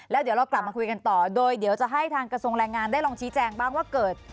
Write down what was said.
แล้วเดี๋ยวเรากลับมาคุยกันต่อโดยเดี๋ยวจะให้ทางกระทรวงแรงงานได้ลองชี้แจงบ้างว่าเกิด